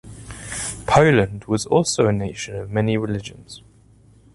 Poland was also a nation of many religions.